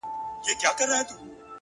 باور کمزوری وي نو حرکت ماتېږي’